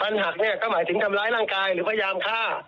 มันหักเนี่ยก็หมายถึงทำร้ายร่างกายหรือพยายามฆ่า